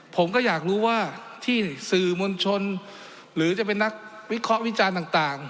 ผมก็อยากรู้ว่าที่สื่อมวลชนหรือจะเป็นนักวิเคราะห์วิจารณ์ต่าง